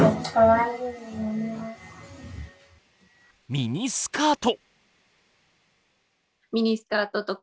ミニスカート。